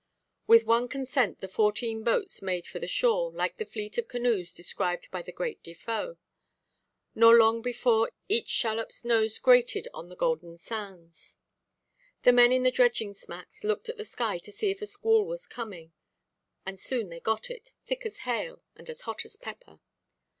With one consent the fourteen boats made for the shore, like the fleet of canoes described by the great Defoe. Nor long before each shallopʼs nose "grated on the golden sands." The men in the dredging smacks looked at the sky to see if a squall was coming. And soon they got it, thick as hail, and as hot as pepper.